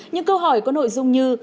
những câu hỏi có nội dung như